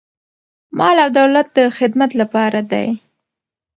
مال او دولت د خدمت لپاره دی.